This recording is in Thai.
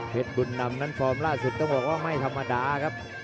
บุญนำนั้นฟอร์มล่าสุดต้องบอกว่าไม่ธรรมดาครับ